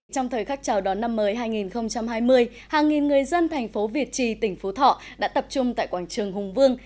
trong thời khắc chào đón năm mới hai nghìn hai mươi hàng nghìn người dân thành phố việt trì tỉnh phú thọ đã tập trung tại quảng trường hùng vương